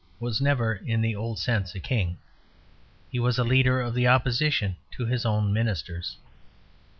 was never in the old sense a King; he was a Leader of the Opposition to his own Ministers.